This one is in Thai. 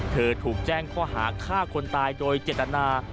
ถูกแจ้งข้อหาฆ่าคนตายโดยเจตนา